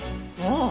ああ！